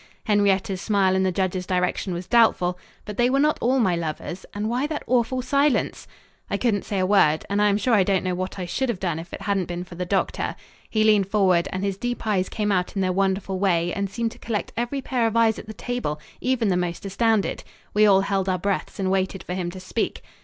Henrietta's smile in the judge's direction was doubtful. But they were not all my lovers, and why that awful silence? I couldn't say a word, and I am sure I don't know what I should have done if it hadn't been for the doctor. He leaned forward, and his deep eyes came out in their wonderful way and seemed to collect every pair of eyes at the table, even the most astounded. We all held our breaths and waited for him to speak.